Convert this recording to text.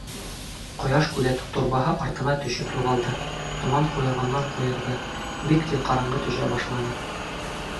Ҡояш Күҙәтеү Торбаһы артына төшөп юғалды, томан ҡуйырғандан-ҡуйырҙы, бик тиҙ ҡараңғы төшә башланы.